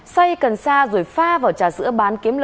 xay cần sa rồi pha vào trà sữa bán kiếm lời